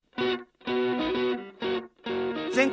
全国